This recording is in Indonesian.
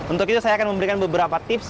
untuk itu saya akan memberikan beberapa tips